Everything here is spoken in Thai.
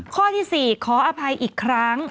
ข้อที่๔ขออภัยอีกครั้ง